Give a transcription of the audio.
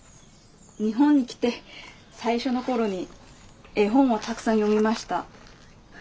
日本に来て最初の頃に絵本をたくさん読みました。